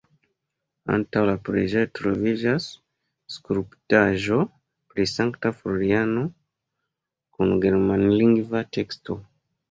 Antaŭ la preĝejo troviĝas skulptaĵo pri Sankta Floriano kun germanlingva teksto.